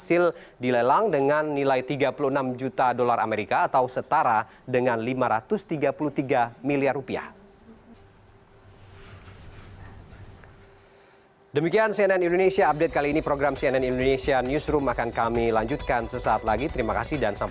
sejumlah koleksi perhiasan keluarga